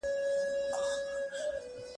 تا چې د زلفو غوټه خلاصه کړله